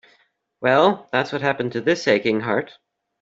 Well, that's what happened to this aching heart.